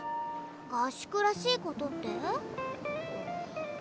合宿らしいことって？